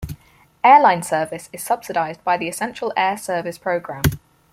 Airline service is subsidized by the Essential Air Service program.